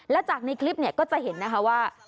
แล้วจากในคลิปก็จะเห็นว่า